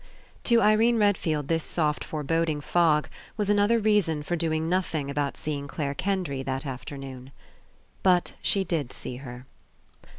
To Irene Redfield this soft foreboding fog was another reason for doing nothing about seeing Clare Kendry that afternoon. But she did see her.